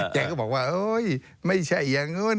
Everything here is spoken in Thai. แกก็บอกว่าไม่ใช่อย่างนู้น